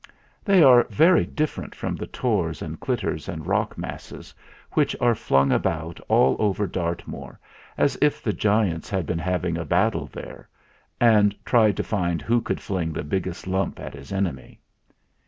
They are very different from the tors and "clitters" and rock masses which are flung about all over Dartmoor, as if the giants had been having a battle there and tried to find who could fling the biggest lump at his* enemy.